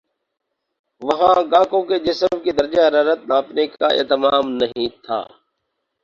وہاں گاہکوں کے جسم کے درجہ حرارت ناپنے کا اہتمام نہیں تھا